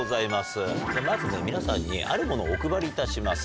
まずね皆さんにあるものをお配りいたします。